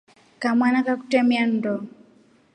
Kamana kakutemia nndo.